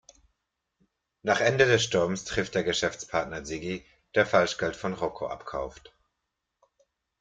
Nach Ende des Sturmes trifft der Geschäftspartner Ziggy, der Falschgeld von Rocco abkauft.